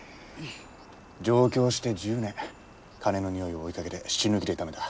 上京して１０年金のにおいを追いかけて死ぬ気でためた。